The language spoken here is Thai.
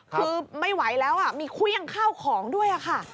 คือไม่ไหวแล้วมีเครื่องข้าวของด้วยค่ะ